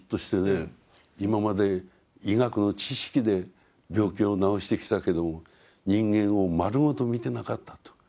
今まで医学の知識で病気を治してきたけども人間を丸ごと見てなかったと。